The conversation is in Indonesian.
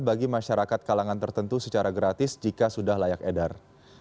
bagi masyarakat kalangan tertentu secara gratis jika sudah layak edar